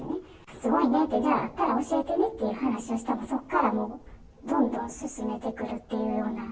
すごいね、じゃあ会ったら教えてねって話をしたら、そこからどんどん進めてくるっていうような。